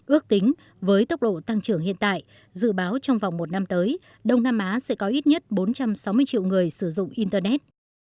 ước tính với tốc độ tăng trưởng hiện tại dự báo trong vòng một năm tới đông nam á sẽ có ít nhất bốn trăm sáu mươi triệu người sử dụng internet